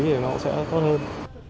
thì nó cũng sẽ tốt hơn